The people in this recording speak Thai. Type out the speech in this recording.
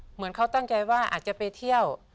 เหมือนเขาตั้งใจว่าอาจจะไปเที่ยว